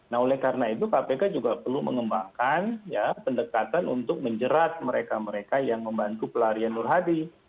nah oleh karena itu kpk juga perlu mengembangkan pendekatan untuk menjerat mereka mereka yang membantu pelarian nur hadi